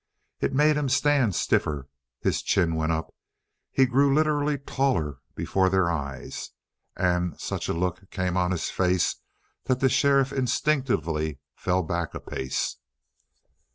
It made him stand stiffer. His chin went up. He grew literally taller before their eyes, and such a look came on his face that the sheriff instinctively fell back a pace.